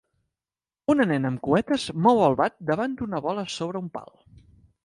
Una nena amb cuetes mou el bat davant d'una bola sobre un pal.